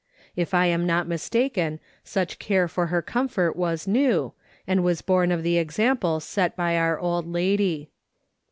If 1 am not mistaken, such care for her comfort was new, and was born of the example set by our old lady.